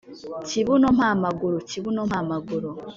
kibuno mpa amaguru! kibuno mpa amaguru!